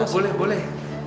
oh boleh boleh